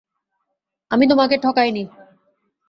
আমি তোমাকে ঠকাইনি।